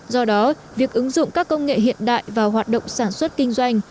do đó việc ứng dụng các công nghệ hiện đại vào hoạt động sản xuất kinh doanh